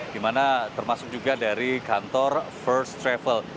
di mana termasuk juga dari kantor first travel